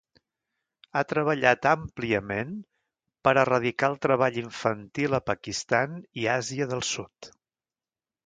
Ha treballat àmpliament per erradicar el treball infantil a Pakistan i Àsia del Sud.